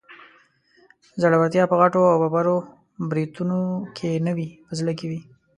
زړورتيا په غټو او ببرو برېتو کې نه وي، په زړه کې وي